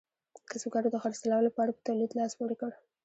کسبګرو د خرڅلاو لپاره په تولید لاس پورې کړ.